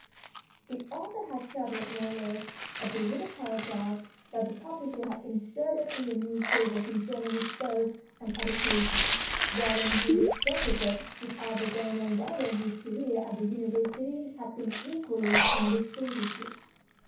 The author had shuddered no less at the little paragraphs that the publisher had inserted in the newspapers concerning his birth and education, wherein he was bracketed with other well known writers whose careers at the University had been equally undistinguished.